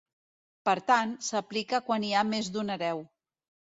Per tant, s'aplica quan hi ha més d'un hereu.